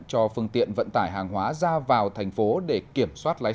cho phương tiện vận tải hàng hóa ra vào thành phố để kiểm soát lái xe